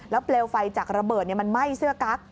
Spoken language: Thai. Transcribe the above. เปลวไฟจากระเบิดมันไหม้เสื้อกั๊ก